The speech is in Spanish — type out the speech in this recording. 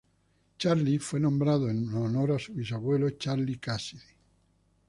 Charlie fue nombrado en honor a su bisabuelo Charlie Cassidy.